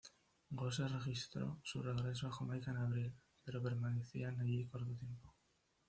Gosse registró su regreso a Jamaica en abril, pero permanecían allí corto tiempo.